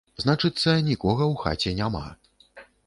Значыцца, нікога ў хаце няма.